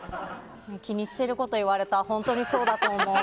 気にしてること言われた本当にそうだと思う。